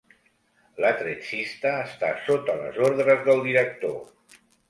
L'attrezzista està sota les ordres del director.